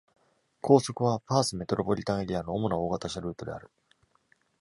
高速はパース・メトロポリタンエリアの主な大型車ルートである。